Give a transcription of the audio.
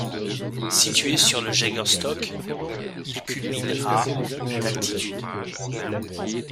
Situé sur le Jegerstöck, il culmine à d'altitude.